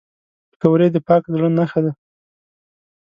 پکورې د پاک زړه نښه ده